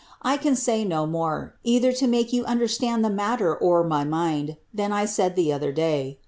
I can say no more, either to make you under stand the matter or my mind, than 1 said the other day.